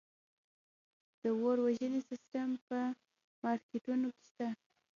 د اور وژنې سیستم په مارکیټونو کې شته؟